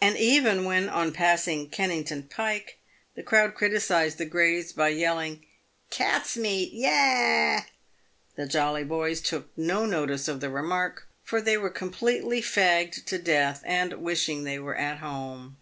And even when, on passing Kennington 'pike, the crowd criticised the greys by yelling " Cat's meat, yah !" the jolly boys took no notice of the remark, for they were completely fagged to death, and wishing they were at home.